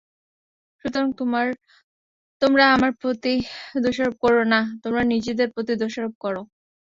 সুতরাং তোমরা আমার প্রতি দোষারোপ করো না, তোমরা নিজেদের প্রতি দোষারোপ কর।